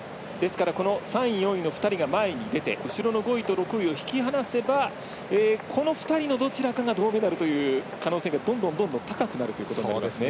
３位、４位の２人が前に出て後ろの５位と６位を引き離せばこの２人のどちらかが銅メダルという可能性がどんどん高くなるということなんですね。